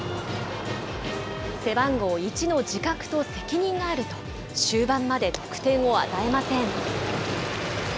背番号１の自覚と責任があると、終盤まで得点を与えません。